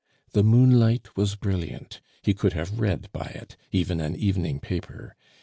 The moonlight was brilliant; he could have read by it even an evening paper.